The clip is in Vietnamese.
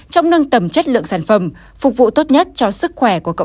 trong nâng tầm chất lượng sản phẩm phục vụ tốt nhất cho sức khỏe của cộng đồng